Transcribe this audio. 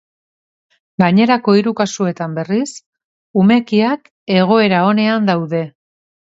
Gainerako hiru kasuetan, berriz, umekiak egoera onean daude.